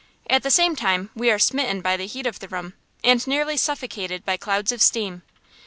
At the same time we are smitten by the heat of the room and nearly suffocated by clouds of steam.